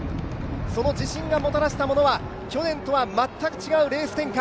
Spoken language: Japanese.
その自信がもたらしたものは去年とは全く違うレース展開。